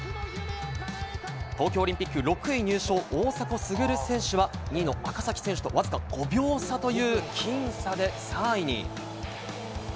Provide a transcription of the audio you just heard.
東京オリンピック６位入賞の大迫傑選手は、２位の赤崎選手とわずか５秒差という僅差で３位に。